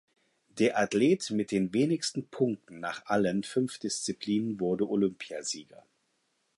Der Athlet mit den wenigsten Punkten nach allen fünf Disziplinen wurde Olympiasieger.